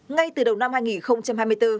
ngay từ đầu năm hai nghìn hai mươi bốn